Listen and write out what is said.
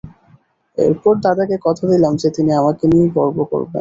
এরপর দাদাকে কথা দিলাম যে তিনি আমাকে নিয়ে গর্ব করবেন।